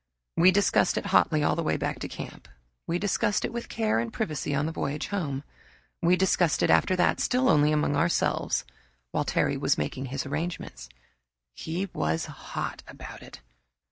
We discussed it hotly all the way back to camp. We discussed it with care and privacy on the voyage home. We discussed it after that, still only among ourselves, while Terry was making his arrangements. He was hot about it.